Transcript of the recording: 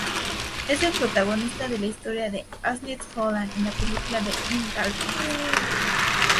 Es el protagonista de la historia de Agnieszka Holland en la película "In Darkness".